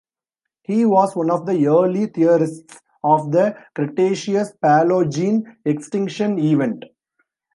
He was one of the early theorists of the Cretaceous-Paleogene extinction event.